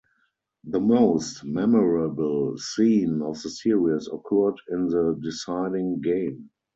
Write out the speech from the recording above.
The most memorable scene of the series occurred in the deciding game.